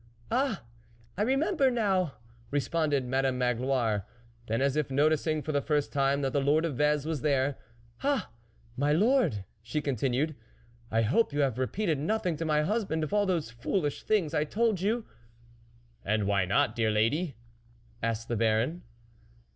" Ah ! I remember now," responded Madame Magloire. Then, as if noticing for the first time that the lord of Vez was there :" Ah ! my lord," she continued, " I hope you have repeated nothing to my husband of all those foolish things I told you ?"" And why not, dear lady ?" asked the Baron.